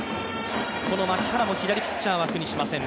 この牧原も左ピッチャーは苦にしません。